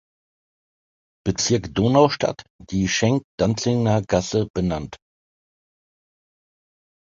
Bezirk Donaustadt die "Schenk-Danzinger-Gasse" benannt.